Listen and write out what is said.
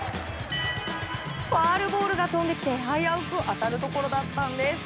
ファウルボールが飛んできて危うく当たるところだったんです。